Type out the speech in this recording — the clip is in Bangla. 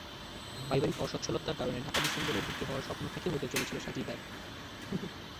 পারিবারিক অসচ্ছলতার কারণে ঢাকা বিশ্ববিদ্যালয়ে ভর্তি হওয়ার স্বপ্ন ফিকে হতে চলেছিল সাজিদার।